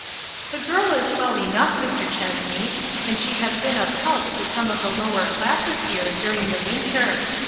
" The girl is well enough, Mr. Chessney, and she has been of help to some of the lower classes here during the winter.